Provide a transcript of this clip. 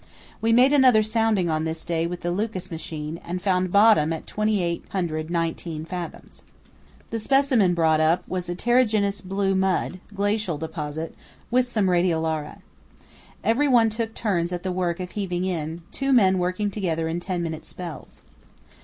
We made another sounding on this day with the Lucas machine and found bottom at 2819 fathoms. The specimen brought up was a terrigenous blue mud (glacial deposit) with some radiolaria. Every one took turns at the work of heaving in, two men working together in ten minute spells.